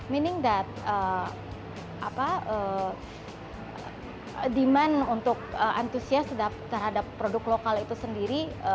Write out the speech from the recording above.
maksudnya demand untuk antusias terhadap produk lokal itu sendiri